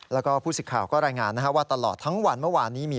แล้วก็ผู้สิทธิ์ข่าวก็รายงานว่าตลอดทั้งวันเมื่อวานนี้มี